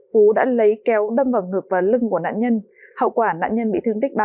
phú đã lấy kéo đâm vào ngực và lưng của nạn nhân hậu quả nạn nhân bị thương tích ba mươi